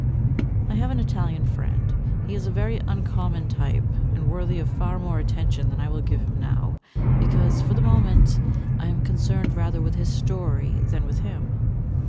I have an Italian friend. He is a very uncommon type, and worthy of far more attention than I will give him now, because, for the moment, I am concerned rather with his story than with him.